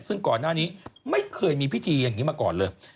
ซึ่งก่อนหน้านี้ไม่เคยมีพิธีอย่างนี้มาก่อนเลย